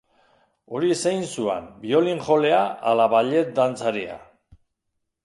Hori zein zuan, biolin jolea ala ballet dantzaria?